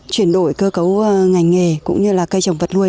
chuyển đổi cơ cấu ngành nghề cũng như là cây trồng vật nuôi